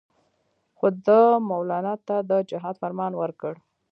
خو ده مولنا ته د جهاد فرمان ورکړ.